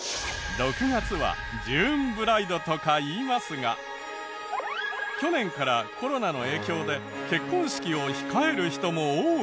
６月はジューンブライドとかいいますが去年からコロナの影響で結婚式を控える人も多い。